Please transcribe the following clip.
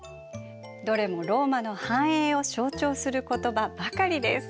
どれもローマの繁栄を象徴する言葉ばかりです。